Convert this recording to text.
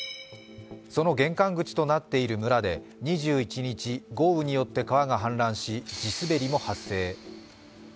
その玄関口となっている村で２１日、豪雨によって川が氾濫し、地滑りも発生。